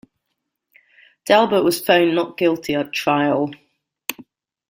Delbert was found not guilty at trial.